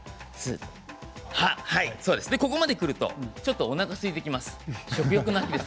ここまでくるとちょっとおなかがすいてきます。